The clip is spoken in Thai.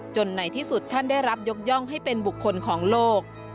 ในที่สุดท่านได้รับยกย่องให้เป็นบุคคลของโลก